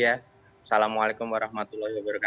assalamualaikum warahmatullahi wabarakatuh